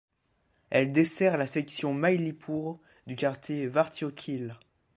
Elle dessert la section Myllypuro du quartier de Vartiokylä.